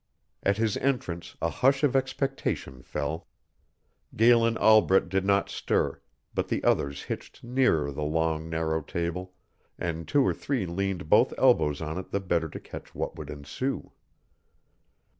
At his entrance a hush of expectation fell. Galen Albret did not stir, but the others hitched nearer the long, narrow table, and two or three leaned both elbows on it the better to catch what should ensue.